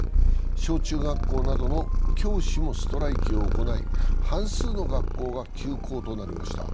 小中学校などの教師もストライキを行い半数の学校が休校となりました。